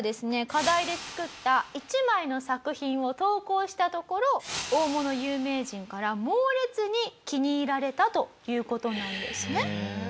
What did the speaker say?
課題で作った一枚の作品を投稿したところ大物有名人から猛烈に気に入られたという事なんですね。